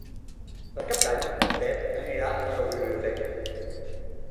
Per Cap d'Any en Pep anirà a la biblioteca.